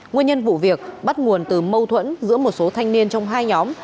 nguyên nhân vụ việc bắt nguồn từ mâu thuẫn giữa một số thanh niên trong hai nhóm